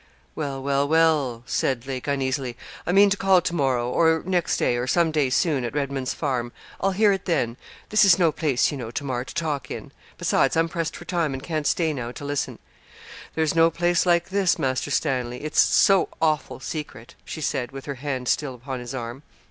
'Well, well, well,' said Lake, uneasily; 'I mean to call to morrow, or next day, or some day soon, at Redman's Farm. I'll hear it then; this is no place, you know, Tamar, to talk in; besides I'm pressed for time, and can't stay now to listen.' 'There's no place like this, Master Stanley; it's so awful secret,' she said, with her hand still upon his arm.